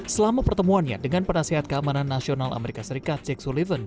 selama pertemuannya dengan penasehat keamanan nasional amerika serikat jack soliven